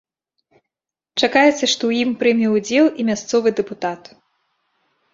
Чакаецца, што ў ім прыме ўдзел і мясцовы дэпутат.